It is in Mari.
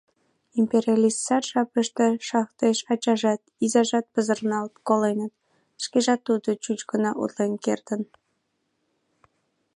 Империалист сар жапыште шахтеш ачажат, изажат пызырналт коленыт, шкежат тудо чуч гына утлен кертын.